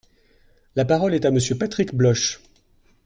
La parole est à Monsieur Patrick Bloche.